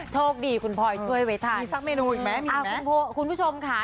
โชคดีคุณพลอยช่วยไว้ทานมีสักเมนูอีกไหมมีคุณผู้ชมค่ะ